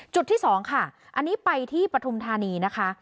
จุดที่๒ค่ะอันนี้ไปที่ปฐุมธานีนะคะ